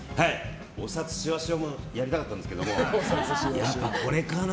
お札シワシワもやりたかったんですけどやっぱり、これかな。